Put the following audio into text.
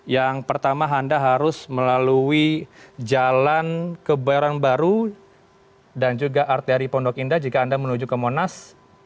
yang pertama anda harus melalui jalan kebayoran baru dan juga arteri pondok indah jika anda menuju ke monas